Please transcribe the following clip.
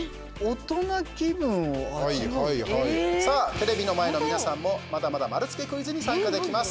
テレビの前の皆さんもまだまだ丸つけクイズに参加できます。